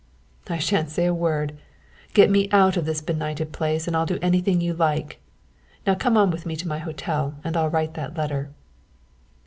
"I shan't say a word. Get me out of this benighted place and I'll do anything you like. Now come on with me to my hotel and I'll write that letter."